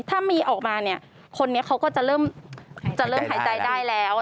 ถ้ามีออกมาคนนี้เขาก็จะเริ่มหายใจได้แล้ว